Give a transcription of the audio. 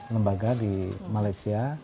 lembaga di malaysia